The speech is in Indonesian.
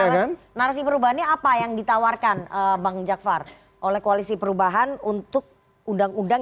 kan ada nasib berubahnya apa yang ditawarkan bang jafar oleh koalisi perubahan untuk undang undang